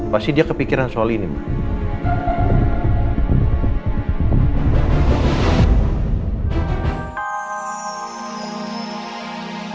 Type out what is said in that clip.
pasti dia kepikiran soal ini